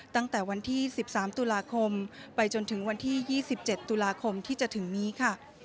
ตั้งแต่วันที่๑๓ตุลาคมไปจนถึงวันที่๒๗ตุลาคมที่จะถึงนี้ค่ะ